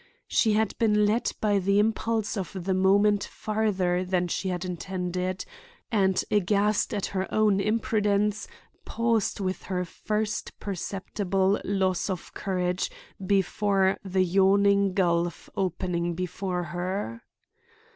She had been led by the impulse of the moment farther than she had intended, and, aghast at her own imprudence, paused with her first perceptible loss of courage before the yawning gulf opening before her.